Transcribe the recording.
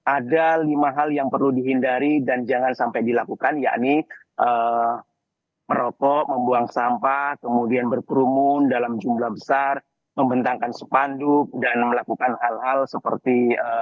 ada lima hal yang perlu dihindari dan jangan sampai dilakukan yakni merokok membuang sampah kemudian berkerumun dalam jumlah besar membentangkan sepanduk dan melakukan hal hal seperti